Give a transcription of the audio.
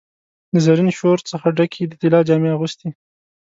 د زرین شور څخه ډکي، د طلا جامې اغوستي